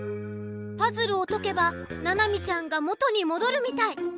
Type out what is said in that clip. パズルをとけばななみちゃんがもとにもどるみたい！